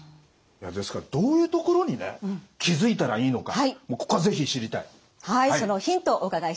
ですからどういうところにね気付いたらいいのかここは是非知りたい！